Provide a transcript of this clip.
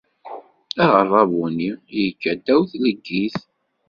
Aɣerrabu-nni yekka ddaw tleggit.